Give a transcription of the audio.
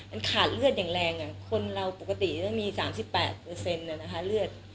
อันขาดเลือดอย่างแรงอ่ะคนเราปกติมี๓๘นะคะเลือด